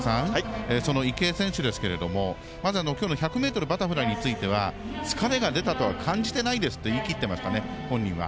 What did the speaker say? その池江選手ですけれどもきょうの１００ｍバタフライについては疲れが出たとは感じてないですと言い切っていましたね、本人は。